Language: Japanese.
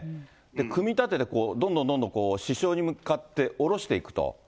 組み立てて、どんどんどんどん支承に向かっておろしていくと。